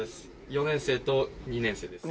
４年生と２年生です。